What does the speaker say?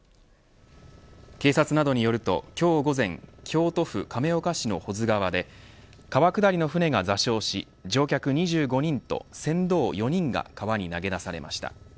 警察などによると今日午前京都府亀岡市の保津川で川下りの舟が座礁し乗客２５人と船頭４人が川に投げ出されました。